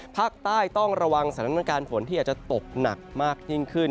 ภาคใต้ต้องระวังสถานการณ์ฝนที่อาจจะตกหนักมากยิ่งขึ้น